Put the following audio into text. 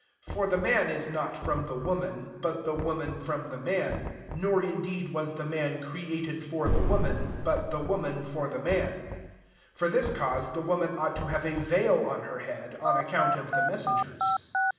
8 For the man is not from the woman ; but the woman from the man. 9 Nor in deed was the man created for the woman ; but the woman for the) man. 10 For this cause the woman ought to have a veil* on her head, oa account of the messengers.